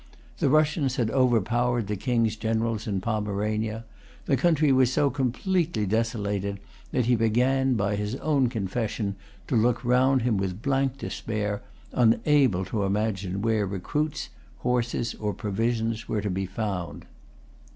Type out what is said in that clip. The Russians had overpowered the King's generals in Pomerania. The country was so completely desolated that he began, by his own confession, to look round him with[Pg 326] blank despair, unable to imagine where recruits, horses, or provisions were to be found.